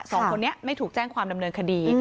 สองคนนี้ไม่ถูกแจ้งความดำเนินคดี